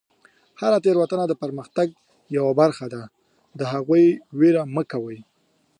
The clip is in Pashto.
هره تیروتنه د پرمختګ یوه برخه ده، د هغې نه ویره مه کوئ.